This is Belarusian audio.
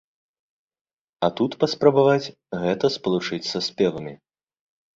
А тут паспрабаваць гэта спалучыць са спевамі.